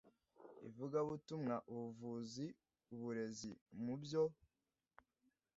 ivugabutumwa ubuvuzi uburezi mu byo